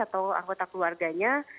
untuk anggota keluarganya